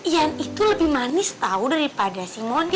yan itu lebih manis tau daripada si mondi